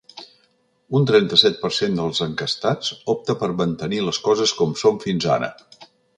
Un trenta-set per cent dels enquestats opta per mantenir les coses com són fins ara.